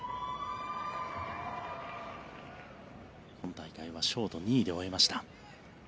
今大会はショート２位で終えました。